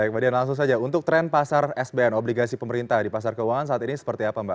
baik mbak dian langsung saja untuk tren pasar sbn obligasi pemerintah di pasar keuangan saat ini seperti apa mbak